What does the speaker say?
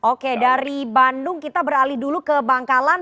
oke dari bandung kita beralih dulu ke bangkalan